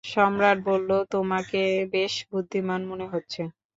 সম্রাট বলল, তোমাকে বেশ বুদ্ধিমান মনে হচ্ছে।